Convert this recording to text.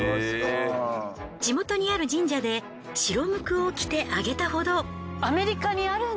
地元にある神社で白むくを着て挙げたほど。